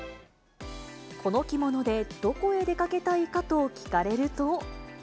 この着物でどこへ出かけたいかと聞かれると。